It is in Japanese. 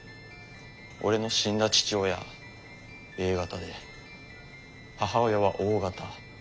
俺の死んだ父親Ａ型で母親はＯ型。